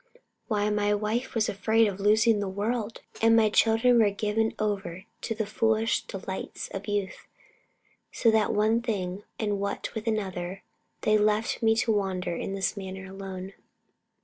"Why, my wife was afraid of losing the world, and my children were given over to the foolish delights of youth; so what with one thing and what with another, they left me to wander in this manner alone."